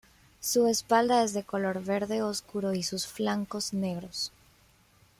Su espalda es de color verde oscuro y sus flancos negros.